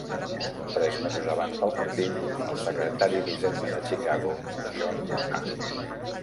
Tres mesos abans del partit, el secretari d"Hisenda de Chicago, John A.